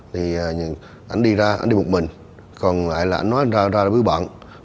thì anh đi ra anh đi một mình còn lại là anh nói ra với bọn